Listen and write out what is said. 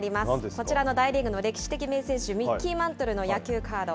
こちらの大リーグの歴史的名選手のミッキー・マントルの野球カード。